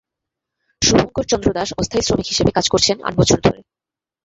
শুভংকর চন্দ্র দাস অস্থায়ী শ্রমিক হিসেবে কাজ করছেন আট বছর ধরে।